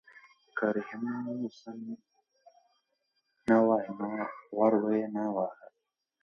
که رحیم غوسه نه وای نو ور به یې نه واهه.